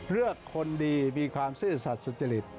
เลือกคนดีมีความซื่อสัตว์สุจริต